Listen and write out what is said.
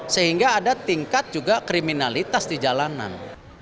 sehingga ada tingkat juga kriminalitas di jalanan